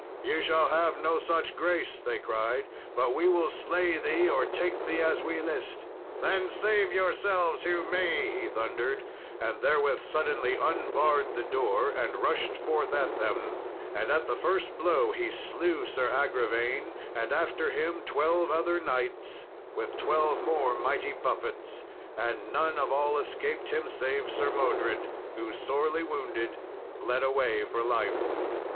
"Ye shall have no such grace," they cried; "but we will slay thee, or take thee as we list." "Then save yourselves who may," he thundered, and therewith suddenly unbarred the door and rushed forth at them. And at the first blow he slew Sir Agravaine, and after him twelve other knights, with twelve more mighty buffets. And none of all escaped him save Sir Modred, who, sorely wounded, fled away for life.